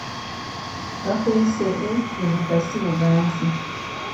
Bakuyise e ebuga si buganzi.